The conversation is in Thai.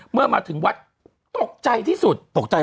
เมื่อมาถึงวัดตกใจที่สุดตกใจ